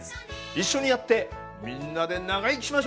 一緒にやってみんなで長生きしましょう！